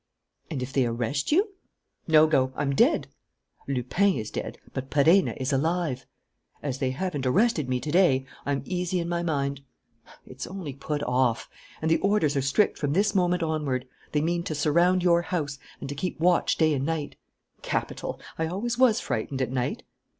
"And, if they arrest you?" "No go! I'm dead!" "Lupin is dead. But Perenna is alive." "As they haven't arrested me to day, I'm easy in my mind." "It's only put off. And the orders are strict from this moment onward. They mean to surround your house and to keep watch day and night." "Capital. I always was frightened at night."